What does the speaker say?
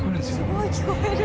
すごい聞こえる。